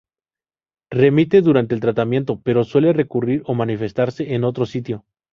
Remite durante el tratamiento pero suele recurrir o manifestarse en otro sitio.